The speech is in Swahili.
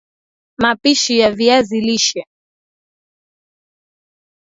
Mapishi ya viazi lishe